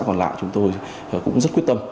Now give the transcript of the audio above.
còn lại chúng tôi cũng rất quyết tâm